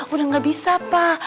udah gak bisa pak